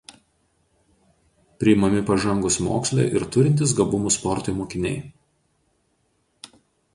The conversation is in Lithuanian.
Priimami pažangūs moksle ir turintys gabumų sportui mokiniai.